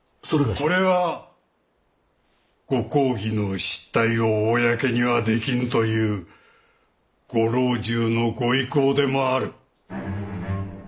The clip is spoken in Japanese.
これはご公儀の失態を公にはできぬというご老中のご意向でもある。